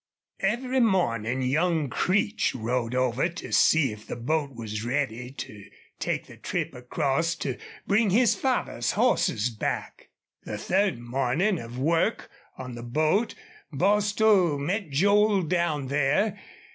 Every morning young Creech rowed over to see if the boat was ready to take the trip across to bring his father's horses back. The third morning of work on the boat Bostil met Joel down there.